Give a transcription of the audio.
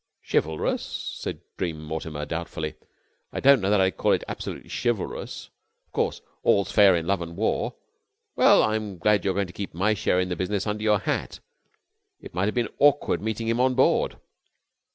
"Chivalrous?" said Bream Mortimer doubtfully. "I don't know that I'd call it absolutely chivalrous. Of course, all's fair in love and war. Well, I'm glad you're going to keep my share in the business under your hat. It might have been awkward meeting him on board."